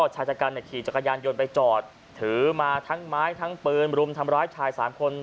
ชายจัดการขี่จักรยานยนต์ไปจอดถือมาทั้งไม้ทั้งปืนรุมทำร้ายชาย๓คน